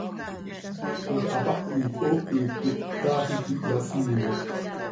Ziix hapahit hoohit quih, taax iiqui hyasiiinot.